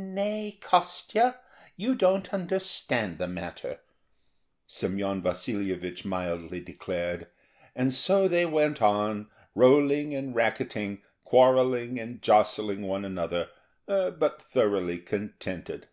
"Nay, Kostya, you don't understand the matter," Semyon Vasilyevich mildly declared; and so they went on, rolling and racketting, quarrelling, and jostling one another, but thoroughly contented.